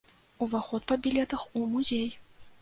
Уваход па білетах у музей.